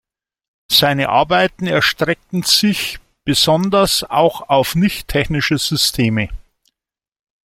Seine Arbeiten erstreckten sich besonders auch auf nicht-technische Systeme.